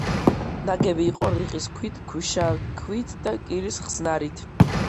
ნაგები იყო რიყის ქვით, ქვიშაქვით და კირის ხსნარით.